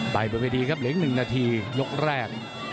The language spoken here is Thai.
ใบประเภทีครับเล็ง๑นาทียกแรก